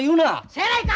せやないか！